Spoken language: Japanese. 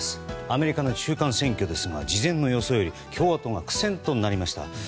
アメリカの中間選挙ですが事前の予想より共和党が苦戦となりました。